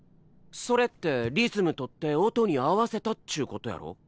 それってリズム取って音に合わせたっちゅうことやろ？